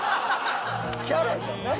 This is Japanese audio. キャラじゃない！